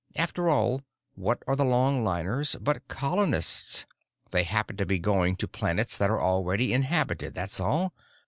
After all, what are the longliners but colonists? They happen to be going to planets that are already inhabited, that's all.